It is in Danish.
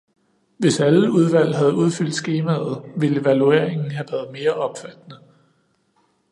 Hvis alle udvalg havde udfyldt skemaet, ville evalueringen have været mere omfattende.